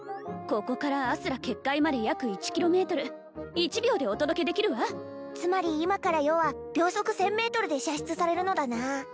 ここからあすら結界まで約１キロメートル１秒でお届けできるわつまり今から余は秒速１０００メートルで射出されるのだな